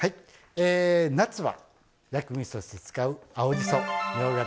え夏は薬味として使う青じそみょうがです。